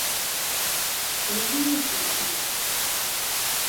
У яго ёсць што паказаць.